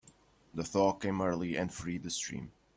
The thaw came early and freed the stream.